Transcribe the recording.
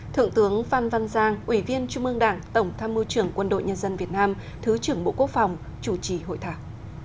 thượng tướng phan văn giang ủy viên trung ương đảng tổng tham mưu trưởng quân đội nhân dân việt nam thứ trưởng bộ quốc phòng chủ trì hội thảo